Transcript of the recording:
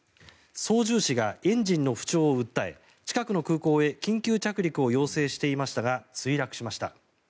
操縦士がエンジンの不調を訴え近くの空港へ緊急着陸を要請していましたが墜落しました。